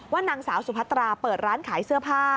นางสาวสุพัตราเปิดร้านขายเสื้อผ้า